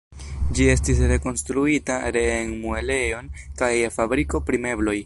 Ĝi estis rekonstruita ree en muelejon kaj je fabriko pri mebloj.